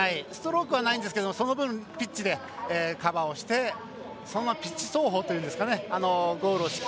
ストロークはないんですがその分、ピッチでカバーしてそのままピッチ走法というんですかね。